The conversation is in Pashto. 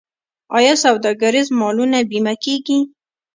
آیا سوداګریز مالونه بیمه کیږي؟